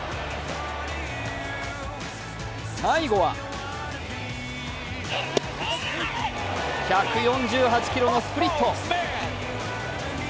最後は１４８キロのスプリット。